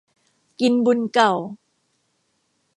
กินบุญเก่า